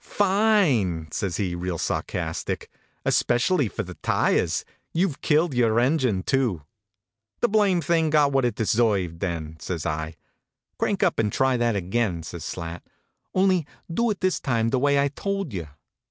" Fine! " says he, real sarcastic. " Espe cially for the tires. You ve killed your en gine, too." " The blamed thing got what it deserved, then," says I. " Crank up and try that again," says Slat, " only do it this time the way I told you."